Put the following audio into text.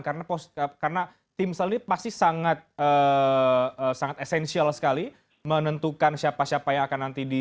karena timsel ini pasti sangat esensial sekali menentukan siapa siapa yang akan nanti diseleksi